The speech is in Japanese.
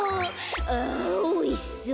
「あおいしそう。